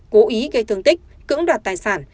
cố ý gây thương tích cưỡng đoạt tài sản